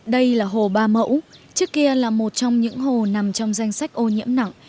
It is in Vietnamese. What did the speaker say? đây là hồ ba mẫu trước kia là một trong những hồ nằm trong danh sách ô nhiễm nặng